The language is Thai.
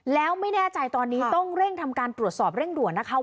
แล้วไม่แน่ใจตอนนี้ต้องเร่งทำการตรวจสอบเร่งด่วนนะคะ